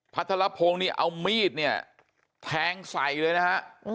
พระธรพงศ์นี่เอามีดเนี่ยแทงใส่เลยนะฮะ